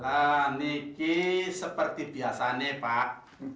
lah niki seperti biasa nih pak